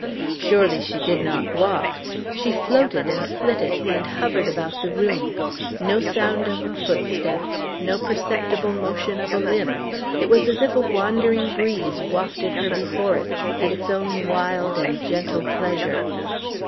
Surely, she did not walk! She floated, and flitted, and hovered about the room; no sound of a footstep, no perceptible motion of a limb; it was as if a wandering breeze wafted her before it, at its own wild and gentle pleasure.